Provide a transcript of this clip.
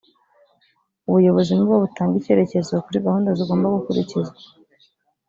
ubuyobozi nibwo butanga icyerekezo kuri gahunda zigomba gukurikizwa